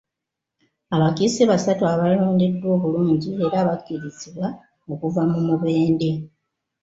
Abakiise basatu abalondeddwa obulungi era abakkirizibwa okuva mu Mubende.